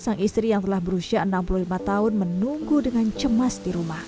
sang istri yang telah berusia enam puluh lima tahun menunggu dengan cemas di rumah